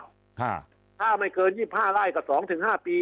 ค่ะถ้าไม่เกินยี่พ้าไล่ก็สองถึงห้าปี